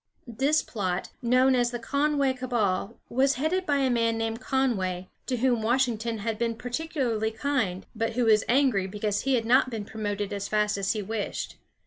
This plot, known as the Conway cabal, was headed by a man named Conway, to whom Washington had been particularly kind, but who was angry because he had not been promoted as fast as he wished.